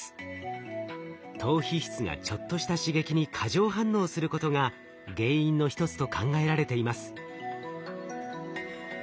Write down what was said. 島皮質がちょっとした刺激に過剰反応することが原因の一つと考えられています。